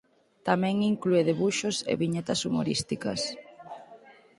Tamén inclúe debuxos e viñetas humorísticas.